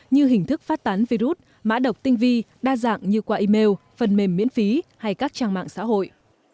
như hình thức phát tán virus mã độc tinh vi đa dạng như qua email phần mềm miễn phí hay các trang mạng xã hội